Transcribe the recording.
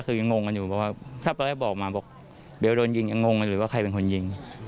คือยังงงกันอยู่เพราะว่าถ้าตอนแรกบอกมาบอกเดี๋ยวโดนยิงยังงงไปเลยว่าใครเป็นคนยิง